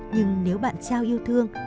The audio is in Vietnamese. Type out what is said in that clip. nhưng nếu bạn trao yêu thương